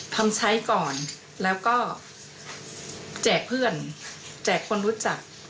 ทำใช้ก่อนแล้วก็แจกเพื่อนแจกคนรู้จัก